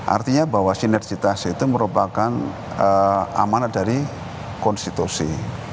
artinya bahwa sinergitas itu merupakan amanat dari konstitusi